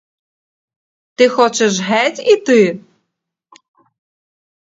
Ти хочеш геть іти?